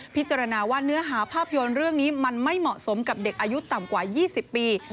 พิจารณาว่าเนื้อหาภาพยนตร์เรื่องนี้มันไม่เหมาะสมกับเด็กอายุต่ำกว่า๒๐ปี